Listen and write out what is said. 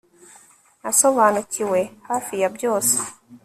Nasobanukiwe hafi ya byose